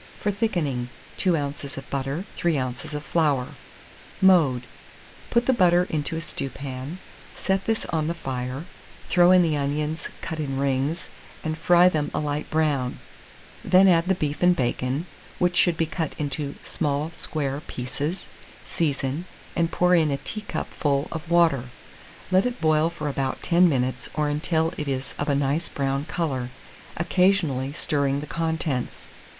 For thickening, 2 oz. of butter, 3 oz. of flour. Mode. Put the butter into a stewpan; set this on the fire, throw in the onions cut in rings, and fry them a light brown; then add the beef and bacon, which should be cut into small square pieces; season, and pour in a teacupful of water; let it boil for about ten minutes, or until it is of a nice brown colour, occasionally stirring the contents.